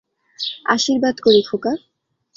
আশীর্বাদ করি, খোকা।